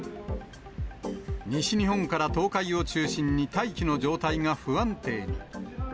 西日本から東海を中心に大気の状態が不安定に。